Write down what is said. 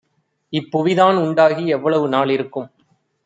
"இப்புவிதான் உண்டாகி எவ்வளவு நாளிருக்கும்?